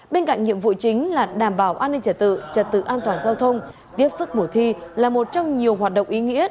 bên cạnh nhiệm vụ chính là đảm bảo an ninh trật tự trật tự an toàn giao thông tiếp sức mùa thi là một trong nhiều hoạt động ý nghĩa